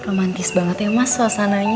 romantis banget ya mas suasananya